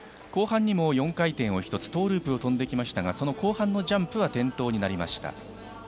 後半にも４回転を１つトーループを跳んできましたがその後半のジャンプは転倒になりました。